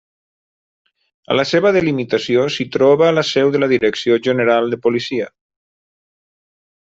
A la seva delimitació s'hi troba la seu de la Direcció General de la Policia.